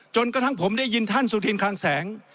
กระทั่งผมได้ยินท่านสุธินคลังแสง